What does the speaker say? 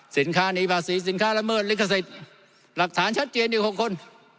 หนีภาษีสินค้าละเมิดลิขสิทธิ์หลักฐานชัดเจนอยู่๖คน